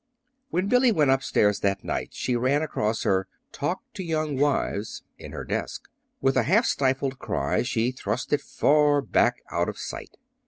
When Billy went up stairs that night she ran across her "Talk to Young Wives" in her desk. With a half stifled cry she thrust it far back out of sight.